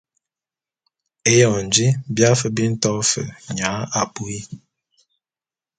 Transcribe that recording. Eyon ji bia fe bi nto fe nya abuii.